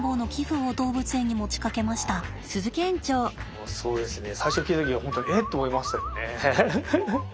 もうそうですね。